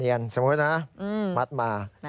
เนียนสมมุตินะมัดมา